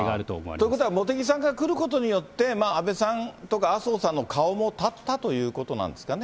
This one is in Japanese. ということは茂木さんが来ることによって、安倍さんとか麻生さんの顔も立ったということなんですかね。